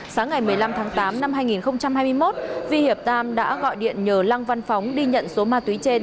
sáng ngày một mươi năm tháng tám năm hai nghìn hai mươi một vi hiệp tam đã gọi điện nhờ lăng văn phóng đi nhận số ma túy trên